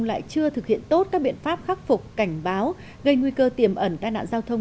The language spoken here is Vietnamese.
lại chưa thực hiện tốt các biện pháp khắc phục cảnh báo gây nguy cơ tiềm ẩn tai nạn giao thông